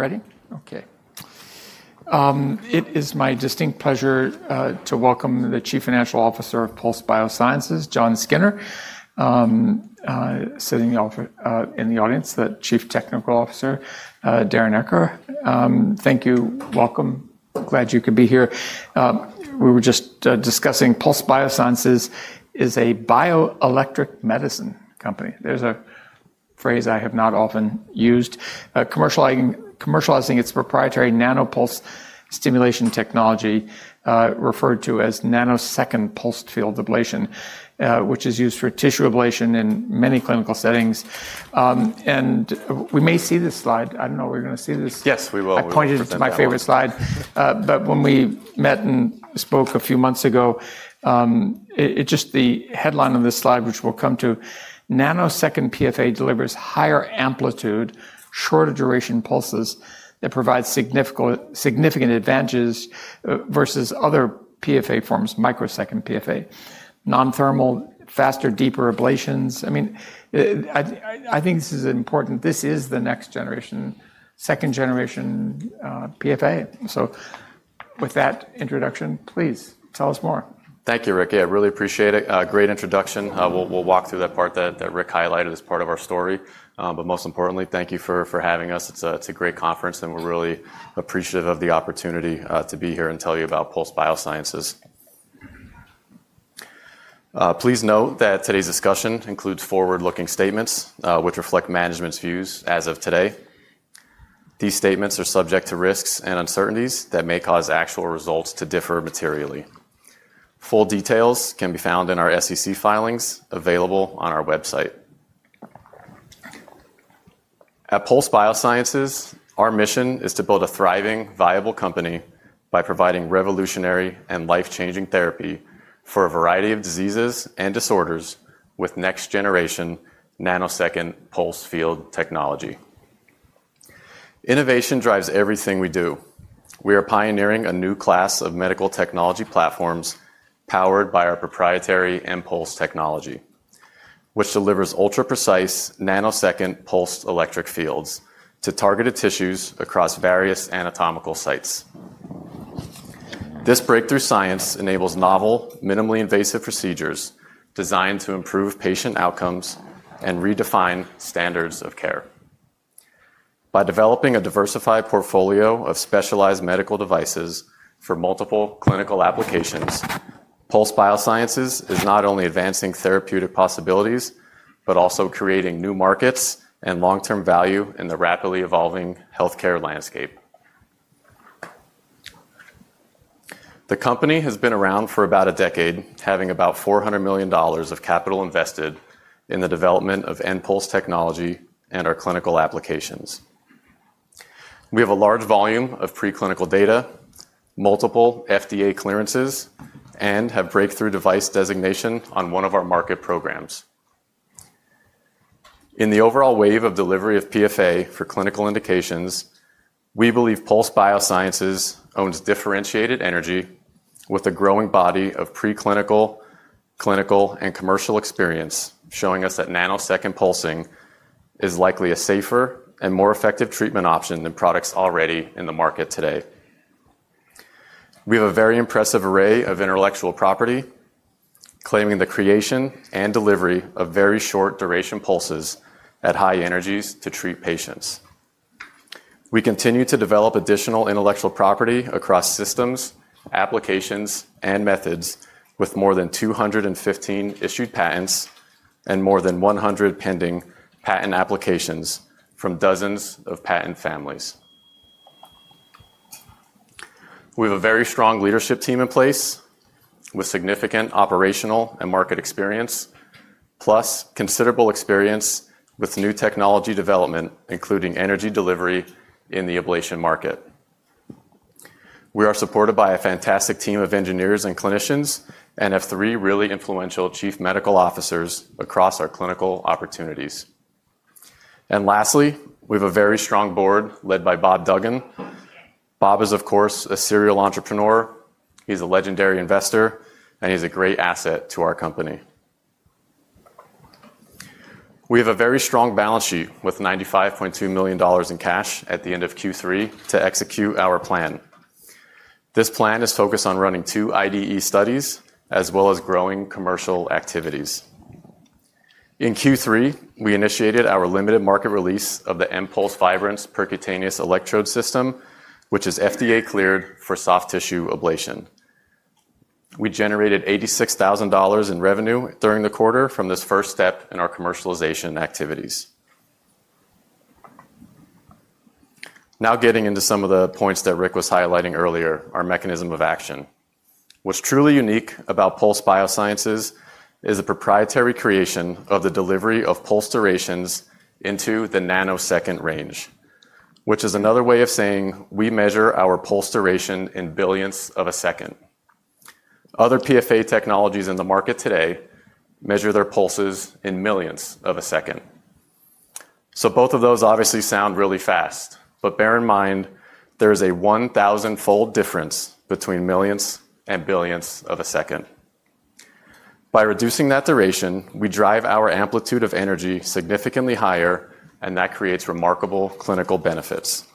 Ready? Okay. It is my distinct pleasure to welcome the Chief Financial Officer of Pulse Biosciences, Jon Skinner, sitting in the audience, the Chief Technical Officer, Darrin Uecker. Thank you, welcome. Glad you could be here. We were just discussing Pulse Biosciences is a bioelectric medicine company. There's a phrase I have not often used: commercializing its proprietary nanopulse stimulation technology, referred to as nanosecond pulsed field ablation, which is used for tissue ablation in many clinical settings. And we may see this slide. I don't know if we're going to see this. Yes, we will. I pointed it to my favorite slide. But when we met and spoke a few months ago, just the headline of this slide, which we'll come to, nanosecond PFA delivers higher amplitude, shorter duration pulses that provide significant advantages versus other PFA forms, microsecond PFA, non-thermal, faster, deeper ablations. I mean, I think this is important. This is the next generation, second generation PFA. So with that introduction, please tell us more. Thank you, Ricky. I really appreciate it. Great introduction. We'll walk through that part that Rick highlighted as part of our story. Most importantly, thank you for having us. It's a great conference, and we're really appreciative of the opportunity to be here and tell you about Pulse Biosciences. Please note that today's discussion includes forward-looking statements, which reflect management's views as of today. These statements are subject to risks and uncertainties that may cause actual results to differ materially. Full details can be found in our SEC filings available on our website. At Pulse Biosciences, our mission is to build a thriving, viable company by providing revolutionary and life-changing therapy for a variety of diseases and disorders with next generation nanosecond pulse field technology. Innovation drives everything we do. We are pioneering a new class of medical technology platforms powered by our proprietary M-Pulse technology, which delivers ultra-precise nanosecond pulsed electric fields to targeted tissues across various anatomical sites. This breakthrough science enables novel, minimally invasive procedures designed to improve patient outcomes and redefine standards of care. By developing a diversified portfolio of specialized medical devices for multiple clinical applications, Pulse Biosciences is not only advancing therapeutic possibilities, but also creating new markets and long-term value in the rapidly evolving healthcare landscape. The company has been around for about a decade, having about $400 million of capital invested in the development of M-Pulse technology and our clinical applications. We have a large volume of preclinical data, multiple FDA clearances, and have breakthrough device designation on one of our market programs. In the overall wave of delivery of PFA for clinical indications, we believe Pulse Biosciences owns differentiated energy with a growing body of preclinical, clinical, and commercial experience, showing us that nanosecond pulsing is likely a safer and more effective treatment option than products already in the market today. We have a very impressive array of intellectual property claiming the creation and delivery of very short duration pulses at high energies to treat patients. We continue to develop additional intellectual property across systems, applications, and methods with more than 215 issued patents and more than 100 pending patent applications from dozens of patent families. We have a very strong leadership team in place with significant operational and market experience, plus considerable experience with new technology development, including energy delivery in the ablation market. We are supported by a fantastic team of engineers and clinicians and have three really influential chief medical officers across our clinical opportunities. Lastly, we have a very strong board led by Bob Duggan. Bob is, of course, a serial entrepreneur. He's a legendary investor, and he's a great asset to our company. We have a very strong balance sheet with $95.2 million in cash at the end of Q3 to execute our plan. This plan is focused on running two IDE studies as well as growing commercial activities. In Q3, we initiated our limited market release of the M-Pulse Vibrance percutaneous electrode system, which is FDA cleared for soft tissue ablation. We generated $86,000 in revenue during the quarter from this first step in our commercialization activities. Now getting into some of the points that Rick was highlighting earlier, our mechanism of action. What's truly unique about Pulse Biosciences is the proprietary creation of the delivery of pulse durations into the nanosecond range, which is another way of saying we measure our pulse duration in billions of a second. Other PFA technologies in the market today measure their pulses in millions of a second. Both of those obviously sound really fast, but bear in mind there is a 1,000-fold difference between millions and billions of a second. By reducing that duration, we drive our amplitude of energy significantly higher, and that creates remarkable clinical benefits.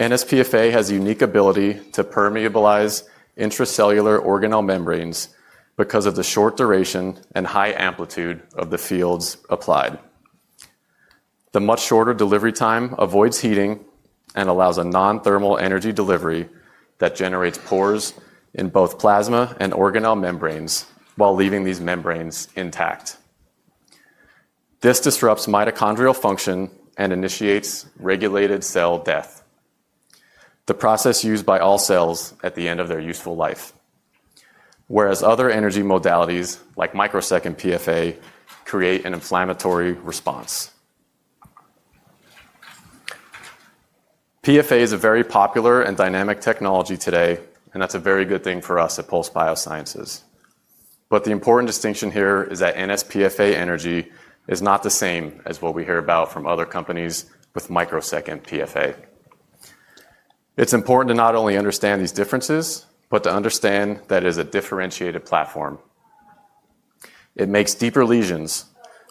nsPFA has a unique ability to permeabilize intracellular organelle membranes because of the short duration and high amplitude of the fields applied. The much shorter delivery time avoids heating and allows a non-thermal energy delivery that generates pores in both plasma and organelle membranes while leaving these membranes intact. This disrupts mitochondrial function and initiates regulated cell death, the process used by all cells at the end of their useful life, whereas other energy modalities like microsecond PFA create an inflammatory response. PFA is a very popular and dynamic technology today, and that's a very good thing for us at Pulse Biosciences. The important distinction here is that nsPFA energy is not the same as what we hear about from other companies with microsecond PFA. It's important to not only understand these differences, but to understand that it is a differentiated platform. It makes deeper lesions,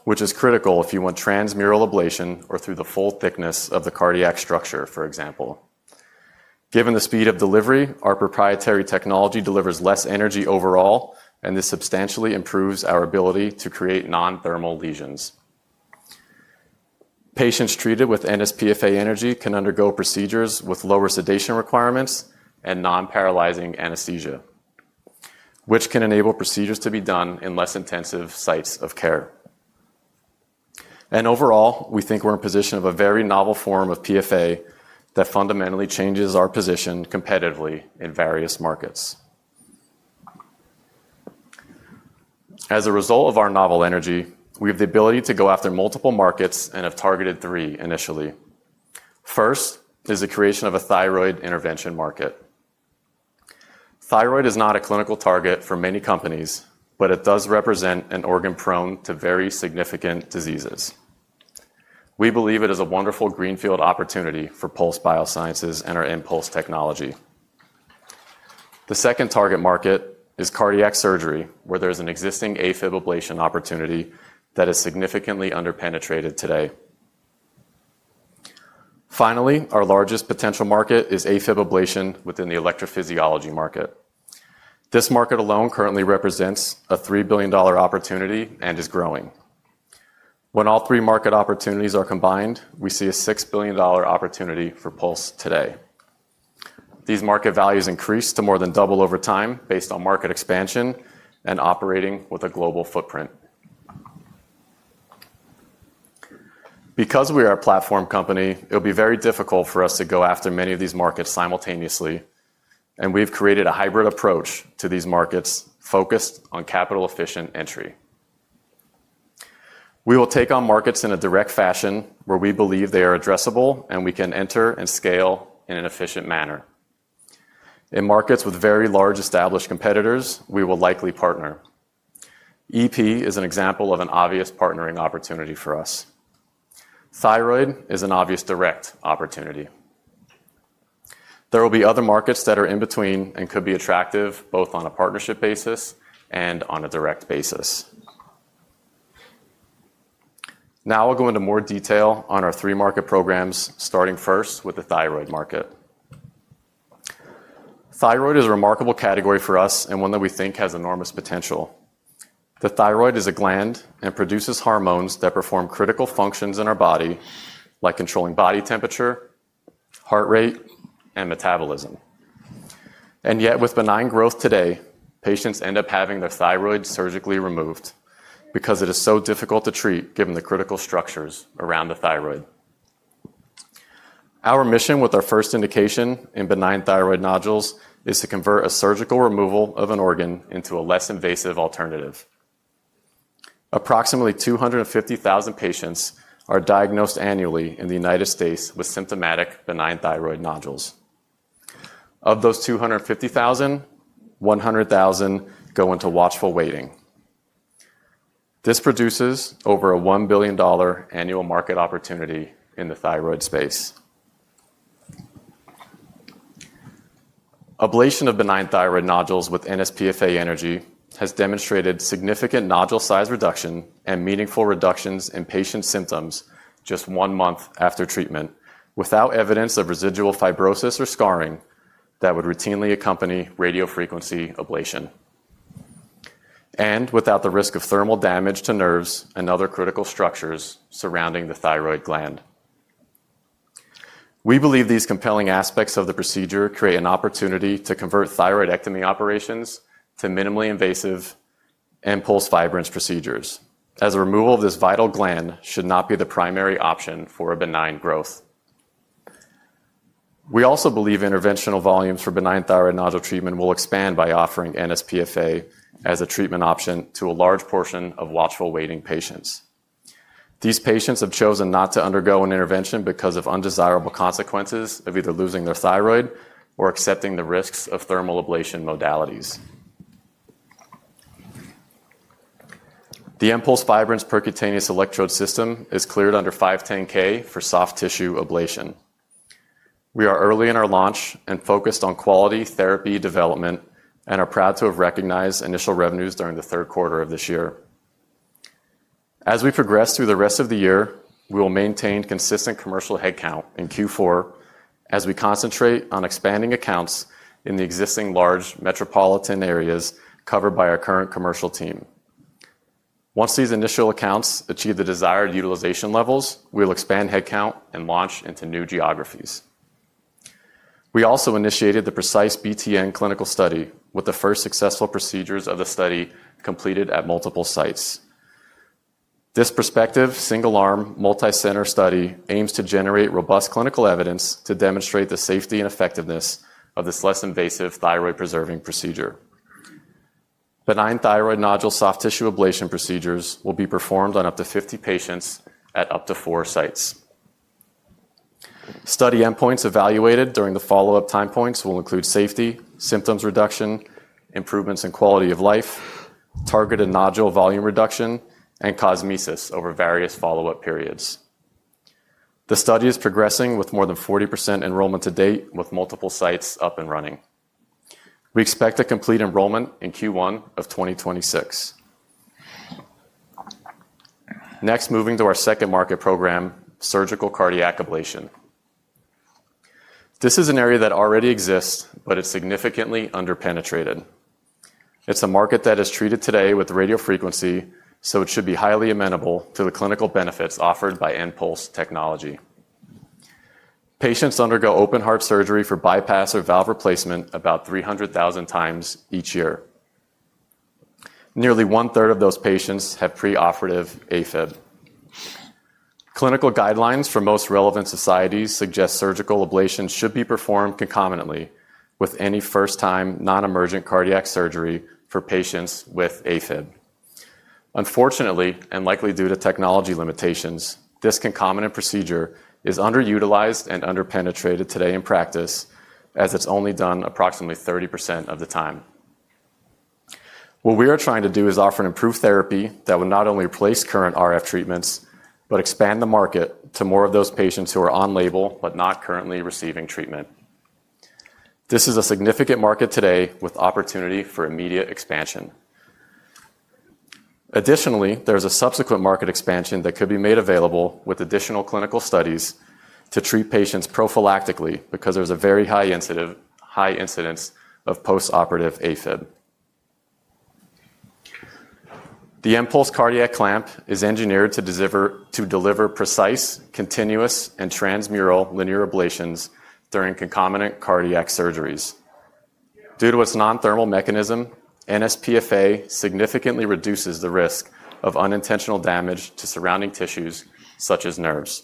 which is critical if you want transmural ablation or through the full thickness of the cardiac structure, for example. Given the speed of delivery, our proprietary technology delivers less energy overall, and this substantially improves our ability to create non-thermal lesions. Patients treated with nsPFA energy can undergo procedures with lower sedation requirements and non-paralyzing anesthesia, which can enable procedures to be done in less intensive sites of care. Overall, we think we're in position of a very novel form of PFA that fundamentally changes our position competitively in various markets. As a result of our novel energy, we have the ability to go after multiple markets and have targeted three initially. First is the creation of a thyroid intervention market. Thyroid is not a clinical target for many companies, but it does represent an organ prone to very significant diseases. We believe it is a wonderful greenfield opportunity for Pulse Biosciences and our M-Pulse technology. The second target market is cardiac surgery, where there is an existing AFib ablation opportunity that is significantly underpenetrated today. Finally, our largest potential market is AFib ablation within the electrophysiology market. This market alone currently represents a $3 billion opportunity and is growing. When all three market opportunities are combined, we see a $6 billion opportunity for Pulse today. These market values increase to more than double over time based on market expansion and operating with a global footprint. Because we are a platform company, it will be very difficult for us to go after many of these markets simultaneously, and we've created a hybrid approach to these markets focused on capital-efficient entry. We will take on markets in a direct fashion where we believe they are addressable and we can enter and scale in an efficient manner. In markets with very large established competitors, we will likely partner. EP is an example of an obvious partnering opportunity for us. Thyroid is an obvious direct opportunity. There will be other markets that are in between and could be attractive both on a partnership basis and on a direct basis. Now I'll go into more detail on our three market programs, starting first with the thyroid market. Thyroid is a remarkable category for us and one that we think has enormous potential. The thyroid is a gland and produces hormones that perform critical functions in our body, like controlling body temperature, heart rate, and metabolism. Yet, with benign growth today, patients end up having their thyroid surgically removed because it is so difficult to treat given the critical structures around the thyroid. Our mission with our first indication in benign thyroid nodules is to convert a surgical removal of an organ into a less invasive alternative. Approximately 250,000 patients are diagnosed annually in the United States with symptomatic benign thyroid nodules. Of those 250,000, 100,000 go into watchful waiting. This produces over a $1 billion annual market opportunity in the thyroid space. Ablation of benign thyroid nodules with nsPFA energy has demonstrated significant nodule size reduction and meaningful reductions in patient symptoms just one month after treatment without evidence of residual fibrosis or scarring that would routinely accompany radiofrequency ablation, and without the risk of thermal damage to nerves and other critical structures surrounding the thyroid gland. We believe these compelling aspects of the procedure create an opportunity to convert thyroidectomy operations to minimally invasive M-Pulse Vibrance procedures, as removal of this vital gland should not be the primary option for benign growth. We also believe interventional volumes for benign thyroid nodule treatment will expand by offering nsPFA as a treatment option to a large portion of watchful waiting patients. These patients have chosen not to undergo an intervention because of undesirable consequences of either losing their thyroid or accepting the risks of thermal ablation modalities. The M-Pulse Vibrance percutaneous electrode system is cleared under 510(k) for soft tissue ablation. We are early in our launch and focused on quality therapy development and are proud to have recognized initial revenues during the third quarter of this year. As we progress through the rest of the year, we will maintain consistent commercial headcount in Q4 as we concentrate on expanding accounts in the existing large metropolitan areas covered by our current commercial team. Once these initial accounts achieve the desired utilization levels, we will expand headcount and launch into new geographies. We also initiated the PRECISE-BTN clinical study with the first successful procedures of the study completed at multiple sites. This prospective single-arm multi-center study aims to generate robust clinical evidence to demonstrate the safety and effectiveness of this less invasive thyroid-preserving procedure. Benign thyroid nodule soft tissue ablation procedures will be performed on up to 50 patients at up to four sites. Study endpoints evaluated during the follow-up time points will include safety, symptoms reduction, improvements in quality of life, targeted nodule volume reduction, and cosmesis over various follow-up periods. The study is progressing with more than 40% enrollment to date with multiple sites up and running. We expect to complete enrollment in Q1 of 2026. Next, moving to our second market program, surgical cardiac ablation. This is an area that already exists, but it's significantly underpenetrated. It's a market that is treated today with radiofrequency, so it should be highly amenable to the clinical benefits offered by M-Pulse technology. Patients undergo open-heart surgery for bypass or valve replacement about 300,000 times each year. Nearly one-third of those patients have pre-operative AFib. Clinical guidelines for most relevant societies suggest surgical ablation should be performed concomitantly with any first-time non-emergent cardiac surgery for patients with AFib. Unfortunately, and likely due to technology limitations, this concomitant procedure is underutilized and underpenetrated today in practice, as it's only done approximately 30% of the time. What we are trying to do is offer an improved therapy that will not only replace current RF treatments but expand the market to more of those patients who are on label but not currently receiving treatment. This is a significant market today with opportunity for immediate expansion. Additionally, there is a subsequent market expansion that could be made available with additional clinical studies to treat patients prophylactically because there is a very high incidence of post-operative AFib. The M-Pulse Cardiac Clamp is engineered to deliver precise, continuous, and transmural linear ablations during concomitant cardiac surgeries. Due to its non-thermal mechanism, nsPFA significantly reduces the risk of unintentional damage to surrounding tissues such as nerves.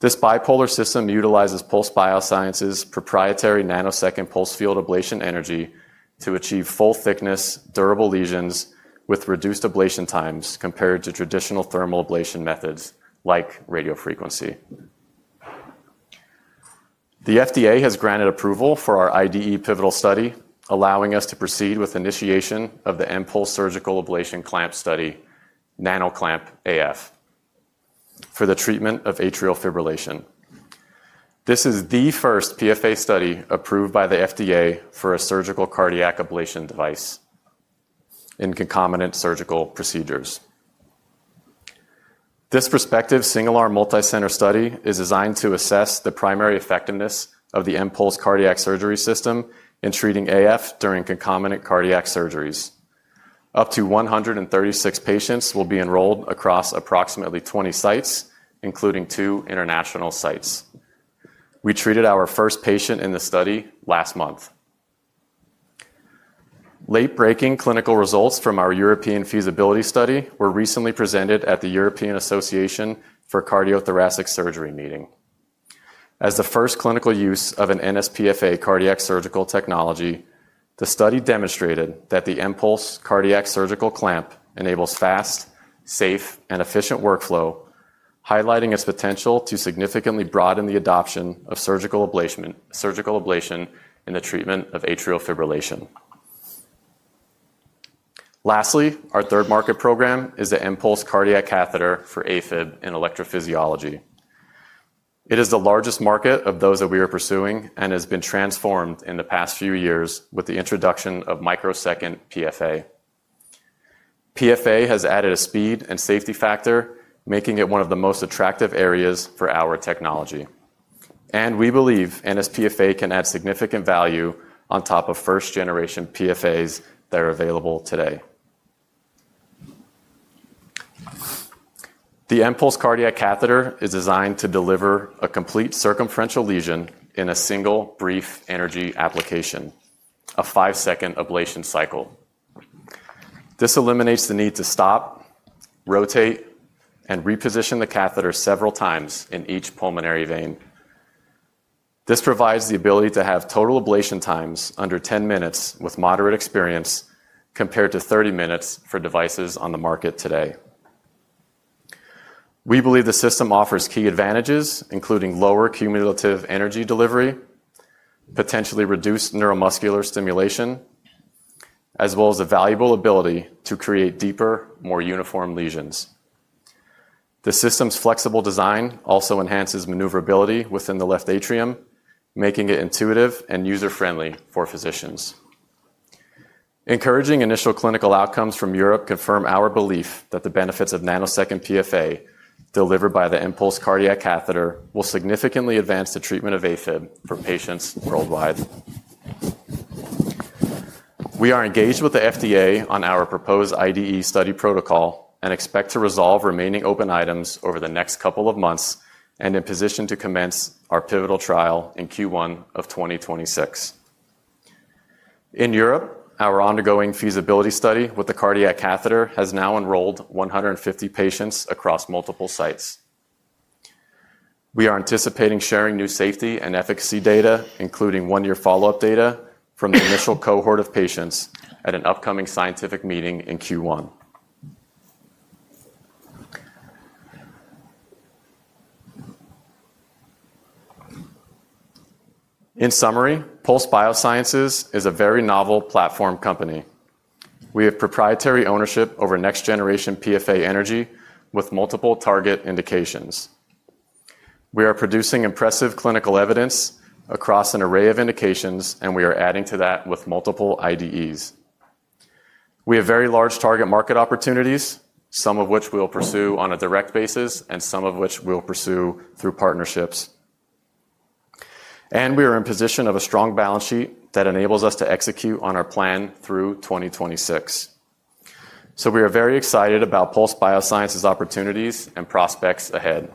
This bipolar system utilizes Pulse Biosciences' proprietary nanosecond pulsed field ablation energy to achieve full-thickness durable lesions with reduced ablation times compared to traditional thermal ablation methods like radiofrequency. The FDA has granted approval for our IDE pivotal study, allowing us to proceed with initiation of the M-Pulse surgical ablation clamp study, NANOCLAMP AF, for the treatment of atrial fibrillation. This is the first PFA study approved by the FDA for a surgical cardiac ablation device in concomitant surgical procedures. This prospective single-arm multi-center study is designed to assess the primary effectiveness of the M-Pulse Cardiac Surgery System in treating AF during concomitant cardiac surgeries. Up to 136 patients will be enrolled across approximately 20 sites, including two international sites. We treated our first patient in the study last month. Late-breaking clinical results from our European feasibility study were recently presented at the European Association for Cardiothoracic Surgery meeting. As the first clinical use of an nsPFA cardiac surgical technology, the study demonstrated that the M-Pulse Cardiac Clamp enables fast, safe, and efficient workflow, highlighting its potential to significantly broaden the adoption of surgical ablation in the treatment of atrial fibrillation. Lastly, our third market program is the M-Pulse Cardiac Catheter for AFib in electrophysiology. It is the largest market of those that we are pursuing and has been transformed in the past few years with the introduction of microsecond PFA. PFA has added a speed and safety factor, making it one of the most attractive areas for our technology. We believe nsPFA can add significant value on top of first-generation PFAs that are available today. The M-Pulse Cardiac Catheter is designed to deliver a complete circumferential lesion in a single brief energy application, a five-second ablation cycle. This eliminates the need to stop, rotate, and reposition the catheter several times in each pulmonary vein. This provides the ability to have total ablation times under 10 minutes with moderate experience compared to 30 minutes for devices on the market today. We believe the system offers key advantages, including lower cumulative energy delivery, potentially reduced neuromuscular stimulation, as well as a valuable ability to create deeper, more uniform lesions. The system's flexible design also enhances maneuverability within the left atrium, making it intuitive and user-friendly for physicians. Encouraging initial clinical outcomes from Europe confirm our belief that the benefits of nanosecond PFA delivered by the M-Pulse Cardiac Catheter will significantly advance the treatment of AFib for patients worldwide. We are engaged with the FDA on our proposed IDE study protocol and expect to resolve remaining open items over the next couple of months and in position to commence our pivotal trial in Q1 of 2026. In Europe, our ongoing feasibility study with the Cardiac Catheter has now enrolled 150 patients across multiple sites. We are anticipating sharing new safety and efficacy data, including one-year follow-up data from the initial cohort of patients at an upcoming scientific meeting in Q1. In summary, Pulse Biosciences is a very novel platform company. We have proprietary ownership over next-generation PFA energy with multiple target indications. We are producing impressive clinical evidence across an array of indications, and we are adding to that with multiple IDEs. We have very large target market opportunities, some of which we will pursue on a direct basis and some of which we will pursue through partnerships. We are in position of a strong balance sheet that enables us to execute on our plan through 2026. We are very excited about Pulse Biosciences' opportunities and prospects ahead.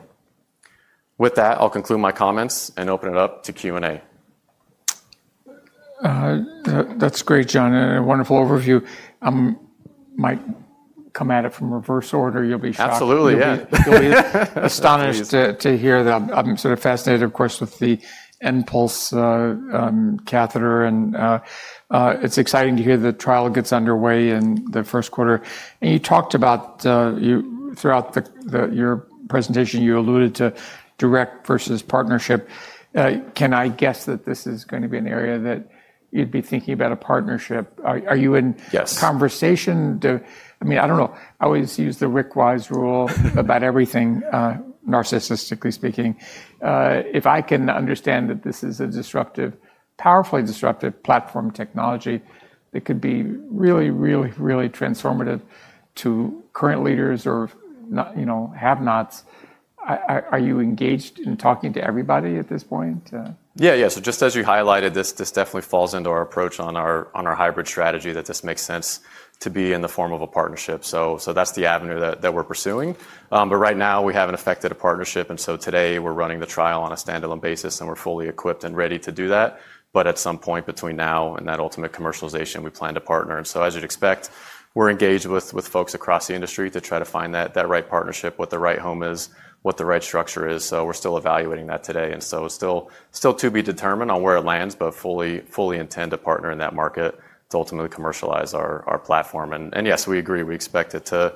With that, I'll conclude my comments and open it up to Q&A. That's great, Jon, and a wonderful overview. I might come at it from reverse order. You'll be shocked. Absolutely. Yeah. You'll be astonished to hear that. I'm sort of fascinated, of course, with the M-Pulse Catheter, and it's exciting to hear the trial gets underway in the first quarter. You talked about throughout your presentation, you alluded to direct versus partnership. Can I guess that this is going to be an area that you'd be thinking about a partnership? Are you in conversation? I mean, I don't know. I always use the Rick Wise rule about everything, narcissistically speaking. If I can understand that this is a powerfully disruptive platform technology that could be really, really, really transformative to current leaders or have-nots, are you engaged in talking to everybody at this point? Yeah, yeah. Just as you highlighted, this definitely falls into our approach on our hybrid strategy that this makes sense to be in the form of a partnership. That's the avenue that we're pursuing. Right now, we haven't affected a partnership, and today we're running the trial on a standalone basis, and we're fully equipped and ready to do that. At some point between now and that ultimate commercialization, we plan to partner. As you'd expect, we're engaged with folks across the industry to try to find that right partnership, what the right home is, what the right structure is. We're still evaluating that today. It's still to be determined on where it lands, but fully intend to partner in that market to ultimately commercialize our platform. Yes, we agree. We expect it to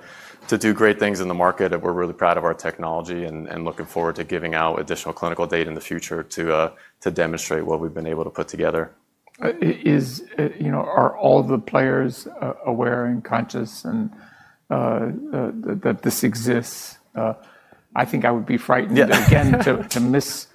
do great things in the market. We're really proud of our technology and looking forward to giving out additional clinical data in the future to demonstrate what we've been able to put together. Are all the players aware and conscious that this exists? I think I would be frightened again to miss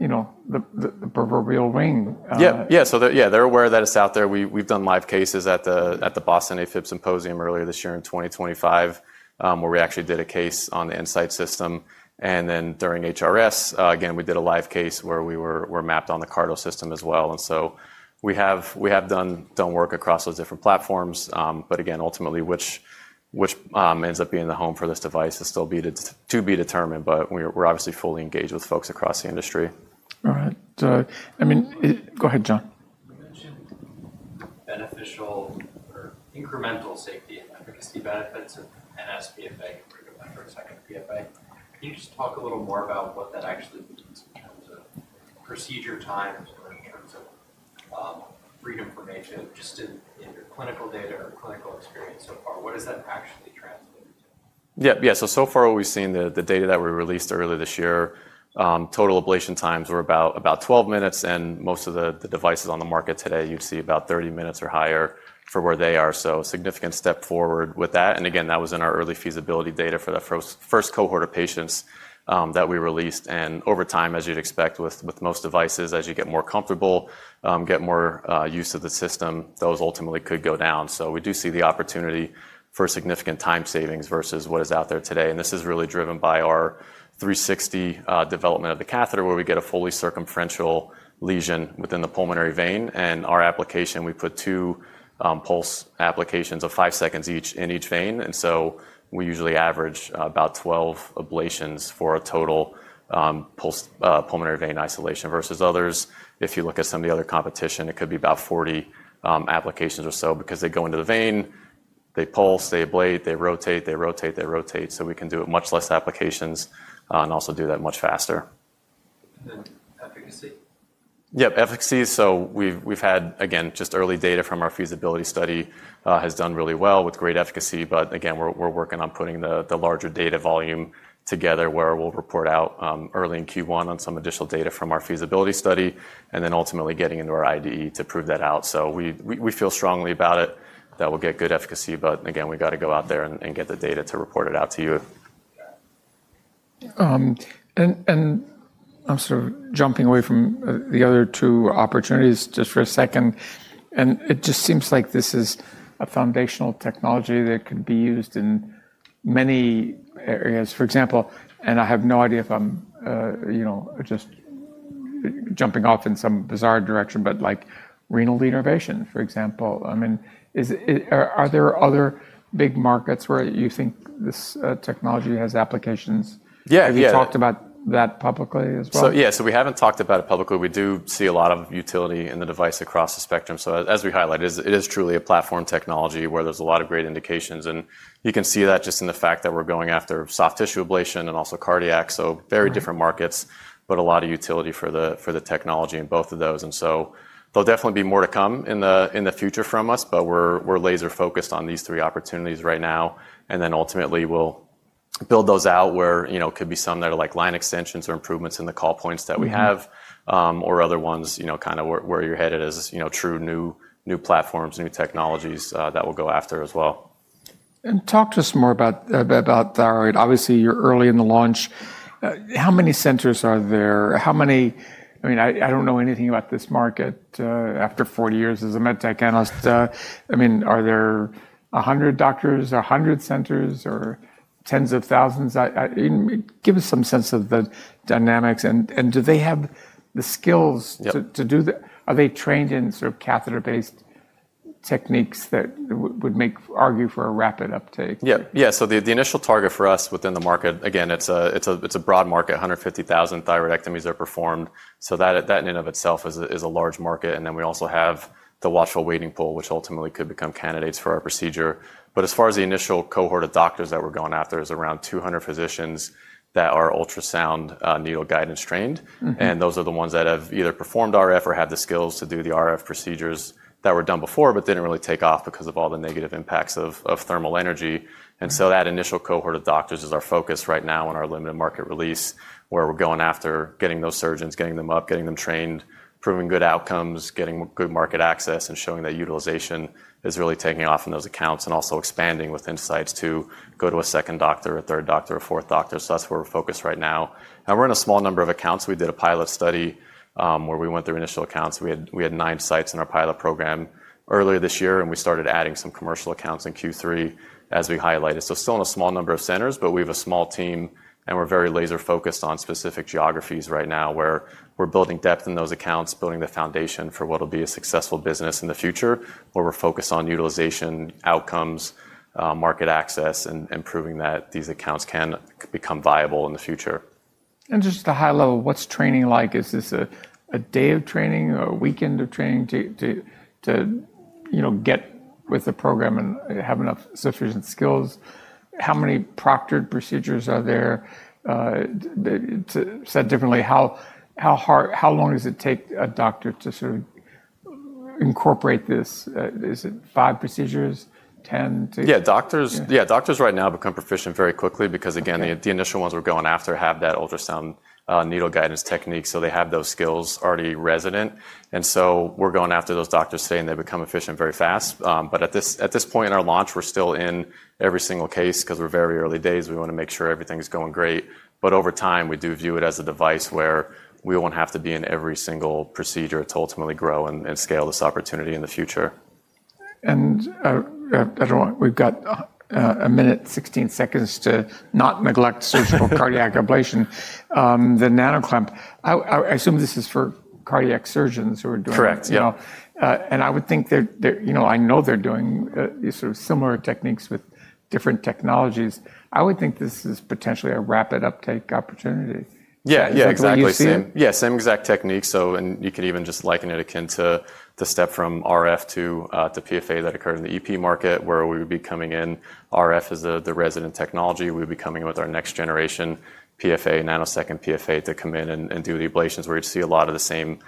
the proverbial ring. Yeah, yeah. They're aware that it's out there. We've done live cases at the Boston AFib Symposium earlier this year in 2025, where we actually did a case on the Insight system. During HRS, again, we did a live case where we were mapped on the CARDO system as well. We have done work across those different platforms. Ultimately, which ends up being the home for this device is still to be determined, but we're obviously fully engaged with folks across the industry. All right. I mean, go ahead, [John]. beneficial or incremental benefits of nsPFA compared to microsecond PFA. Can you just talk a little more about what that actually means in terms of procedure times or in terms of freedom from HF just in your clinical data or clinical experience so far? What does that actually translate to? Yeah, yeah. So far, we've seen the data that we released earlier this year. Total ablation times were about 12 minutes, and most of the devices on the market today, you'd see about 30 minutes or higher for where they are. A significant step forward with that. That was in our early feasibility data for the first cohort of patients that we released. Over time, as you'd expect with most devices, as you get more comfortable, get more use of the system, those ultimately could go down. We do see the opportunity for significant time savings versus what is out there today. This is really driven by our 360 development of the catheter, where we get a fully circumferential lesion within the pulmonary vein. Our application, we put two pulse applications of five seconds each in each vein. We usually average about 12 ablations for a total pulmonary vein isolation versus others. If you look at some of the other competition, it could be about 40 applications or so because they go into the vein, they pulse, they ablate, they rotate, they rotate, they rotate. We can do it with much fewer applications and also do that much faster. Efficacy. Yep, efficacy. We have had, again, just early data from our feasibility study has done really well with great efficacy. We are working on putting the larger data volume together where we will report out early in Q1 on some additional data from our feasibility study and ultimately getting into our IDE to prove that out. We feel strongly about it that we'll get good efficacy, but again, we got to go out there and get the data to report it out to you. I'm sort of jumping away from the other two opportunities just for a second. It just seems like this is a foundational technology that could be used in many areas. For example, I have no idea if I'm just jumping off in some bizarre direction, but like renal denervation, for example. Are there other big markets where you think this technology has applications? Yeah, yeah. Have you talked about that publicly as well? Yeah, we haven't talked about it publicly. We do see a lot of utility in the device across the spectrum. As we highlighted, it is truly a platform technology where there's a lot of great indications. You can see that just in the fact that we're going after soft tissue ablation and also cardiac. Very different markets, but a lot of utility for the technology in both of those. There'll definitely be more to come in the future from us, but we're laser-focused on these three opportunities right now. Ultimately, we'll build those out where it could be some that are like line extensions or improvements in the call points that we have or other ones kind of where you're headed as true new platforms, new technologies that we'll go after as well. Talk to us more about [thyroid]. Obviously, you're early in the launch. How many centers are there? I mean, I don't know anything about this market after 40 years as a med tech analyst. I mean, are there 100 doctors or 100 centers or tens of thousands? Give us some sense of the dynamics. And do they have the skills to do that? Are they trained in sort of catheter-based techniques that would make argue for a rapid uptake? Yeah, yeah. The initial target for us within the market, again, it's a broad market. 150,000 thyroidectomies are performed. That in and of itself is a large market. We also have the watchful waiting pool, which ultimately could become candidates for our procedure. As far as the initial cohort of doctors that we're going after, it's around 200 physicians that are ultrasound needle-guided and trained. Those are the ones that have either performed RF or have the skills to do the RF procedures that were done before but did not really take off because of all the negative impacts of thermal energy. That initial cohort of doctors is our focus right now in our limited market release where we are going after getting those surgeons, getting them up, getting them trained, proving good outcomes, getting good market access, and showing that utilization is really taking off in those accounts and also expanding with insights to go to a second doctor, a third doctor, a fourth doctor. That is where we are focused right now. We are in a small number of accounts. We did a pilot study where we went through initial accounts. We had nine sites in our pilot program earlier this year, and we started adding some commercial accounts in Q3 as we highlighted. Still in a small number of centers, but we have a small team, and we're very laser-focused on specific geographies right now where we're building depth in those accounts, building the foundation for what will be a successful business in the future where we're focused on utilization, outcomes, market access, and proving that these accounts can become viable in the future. Just at a high level, what's training like? Is this a day of training or a weekend of training to get with the program and have enough sufficient skills? How many proctored procedures are there? Said differently, how long does it take a doctor to sort of incorporate this? Is it five procedures, 10? Yeah, doctors right now become proficient very quickly because, again, the initial ones we're going after have that ultrasound needle-guided technique. So they have those skills already resident. We are going after those doctors saying they become efficient very fast. At this point in our launch, we're still in every single case because we're very early days. We want to make sure everything's going great. Over time, we do view it as a device where we won't have to be in every single procedure to ultimately grow and scale this opportunity in the future. We've got a minute, 16 seconds to not neglect surgical cardiac ablation. The NANOCLAMP, I assume this is for cardiac surgeons who are doing it. Correct. I would think they're, I know they're doing sort of similar techniques with different technologies. I would think this is potentially a rapid uptake opportunity. Yeah, exactly. Yeah, same exact technique. You could even just liken it akin to the step from RF to PFA that occurred in the EP market where we would be coming in. RF is the resident technology. We'd be coming with our next-generation PFA, nanosecond PFA to come in and do the ablations where you'd see a lot of the same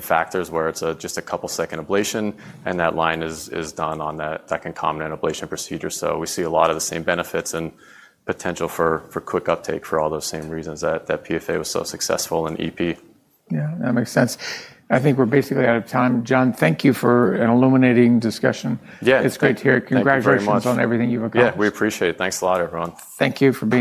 factors where it's just a couple-second ablation, and that line is done on that second common ablation procedure. We see a lot of the same benefits and potential for quick uptake for all those same reasons that PFA was so successful in EP. Yeah, that makes sense. I think we're basically out of time. Jon, thank you for an illuminating discussion. Yeah, it's great to hear. Congratulations on everything you've accomplished. Yeah, we appreciate it. Thanks a lot, everyone. Thank you for being.